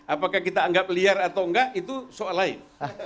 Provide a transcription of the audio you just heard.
apakah kita anggap liar atau enggak itu soal lain